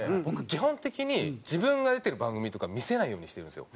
基本的に自分が出てる番組とか見せないようにしてるんですよ。